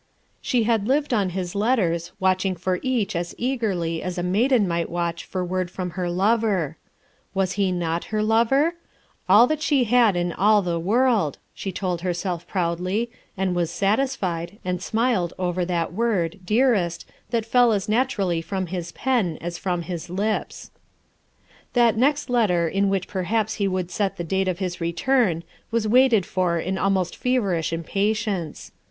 She had lived on his letters, watching for each as eagerly as a maiden might watch for word from her lover. Was he not her lover ? All she hail in all the world, she told herself proudly, and was satisfied, and smiled over that word, "Dearest," that fell as naturally from his pen as from his lips. That next letter in which perhaps he would set the date of his return was waited for in almost feverish impatience.